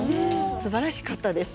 すばらしかったです